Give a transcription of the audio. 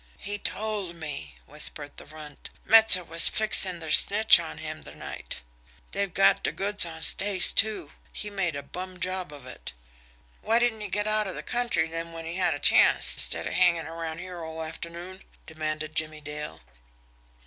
"He told me," whispered the Runt. "Metzer was fixin' ter snitch on him ter night. Dey've got de goods on Stace, too. He made a bum job of it." "Why didn't he get out of de country den when he had de chanst, instead of hangin' around here all afternoon?" demanded Jimmie Dale.